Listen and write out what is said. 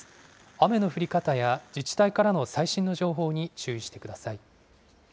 雨の降り方や自治体からの最新の情報に注意してください。